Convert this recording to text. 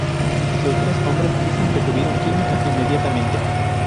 Los tres hombres dicen que tuvieron química inmediatamente.